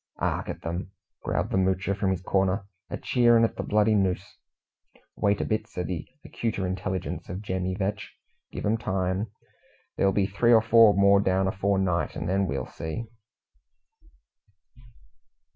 "'Ark at 'em," growled the Moocher from his corner, "a cheerin' at the bloody noos!" "Wait a bit," said the acuter intelligence of Jemmy Vetch. "Give 'em time. There'll be three or four more down afore night, and then we'll see!"